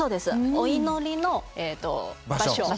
「お祈りの場所が」。